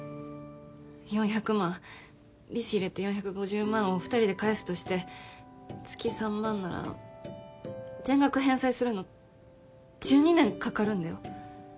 ４００万利子入れて４５０万を２人で返すとして月３万なら全額返済するの１２年かかるんだよ。